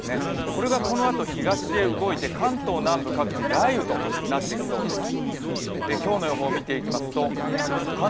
これがこのあと東へ動いて関東南部各地、雷雨となってきそうです。